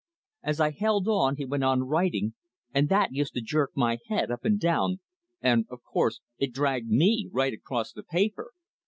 As I held on he went on writing, and that used to jerk my head up and down, and, of course, it dragged me right across the paper.